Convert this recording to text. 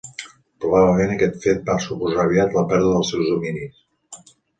Probablement aquest fet va suposar aviat la pèrdua dels seus dominis.